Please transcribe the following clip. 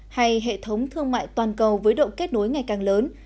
hay hệ thống thương mại toàn cầu với độ kết nối ngày càng lớn